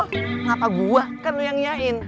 kenapa gua kan lu yang ngiyain